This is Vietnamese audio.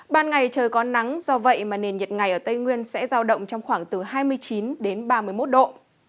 ban ngày trời có nắng do vậy mà nền nhiệt ngày ở tây nguyên sẽ giao động trong khoảng từ hai mươi chín đến ba mươi một độ